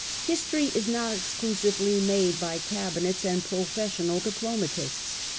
History is not exclusively made by cabinets and professional diplomatists.